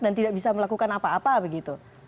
dan tidak bisa melakukan apa apa begitu